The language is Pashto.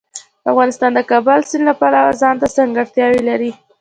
افغانستان د کابل سیند له پلوه ځانته ځانګړتیاوې لري.